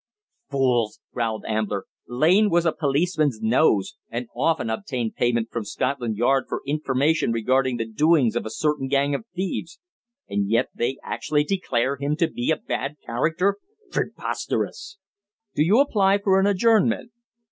"Fools!" growled Ambler. "Lane was a policeman's 'nose,' and often obtained payment from Scotland Yard for information regarding the doings of a certain gang of thieves. And yet they actually declare him to be a bad character. Preposterous!" "Do you apply for an adjournment?"